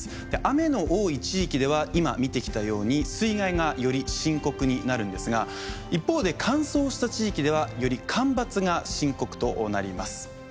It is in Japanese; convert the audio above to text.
雨の多い地域では今見てきたように水害がより深刻になるんですが一方で乾燥した地域ではより干ばつが深刻となります。